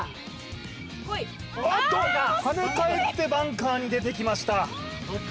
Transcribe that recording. おっと跳ね返ってバンカーに出てきました